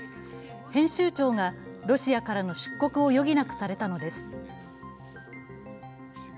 編集長がロシアからの出国を余儀なくされたのです。